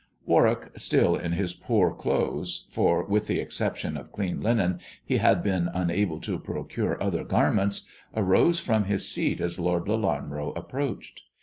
Warwick, still in his poor clothes — for, with the excep tion of clean linen, he had been unable to procure other garments — arose from his seat as Lord Lelanro approached.